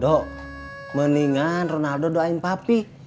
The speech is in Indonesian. dok mendingan ronaldo doain papi